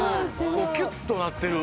キュッとなってる。